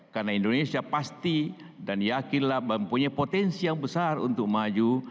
karena indonesia pasti dan yakinlah mempunyai potensi yang besar untuk maju